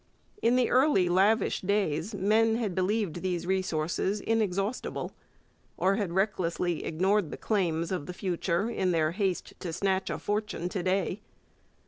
In the early, lavish days men had believed these resources inexhaustible, or had recklessly ignored the claims of the future in their haste to snatch a fortune to day.